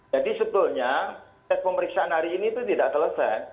jadi sebetulnya tes pemeriksaan hari ini itu tidak selesai